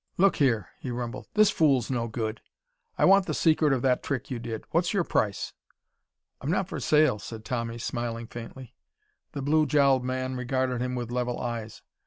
"Look here," he rumbled. "This fool's no good! I want the secret of that trick you did. What's your price?" "I'm not for sale," said Tommy, smiling faintly. The blue jowled man regarded him with level eyes.